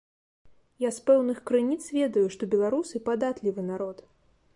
Я з пэўных крыніц ведаю, што беларусы падатлівы народ.